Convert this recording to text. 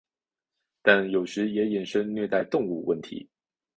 但有时也衍生虐待动物问题。